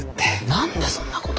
何でそんなこと。